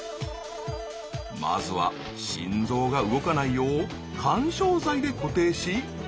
まずは心臓が動かないよう緩衝材で固定し装置にセット。